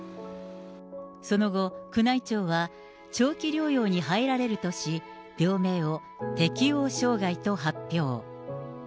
その後、宮内庁は長期療養に入られるとし、病名を適応障害と発表。